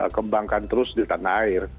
terus dikembangkan terus di tanah air